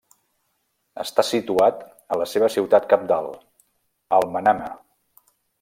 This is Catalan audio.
Està situat a la seva ciutat cabdal, Al-Manama.